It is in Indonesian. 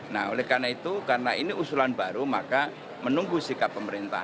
nah oleh karena itu karena ini usulan baru maka menunggu sikap pemerintah